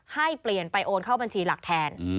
ให้เปลี่ยนไปโอนเข้าบัญชีหลักแทน